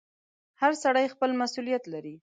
• هر سړی خپل مسؤلیت لري.